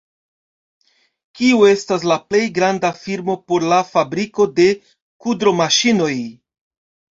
Kiu estas la plej granda firmo por la fabriko de kudromaŝinoj?